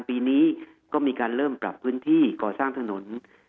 ปีนี้ก็มีการเริ่มปรับพื้นที่ก่อสร้างถนน